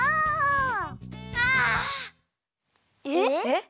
えっ？